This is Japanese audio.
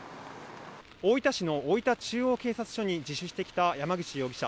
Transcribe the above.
大分市の大分中央警察署に自首してきた山口容疑者。